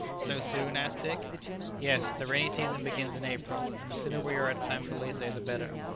"So soon?" asked Dick. "Yes. The rainy season begins in April, and the sooner we are at San Felice the better.